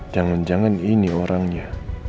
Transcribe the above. jangan jangan ini orangnya